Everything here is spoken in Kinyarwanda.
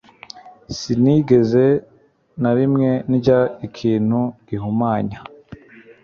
sinigeze na rimwe ndya ikintu gihumanya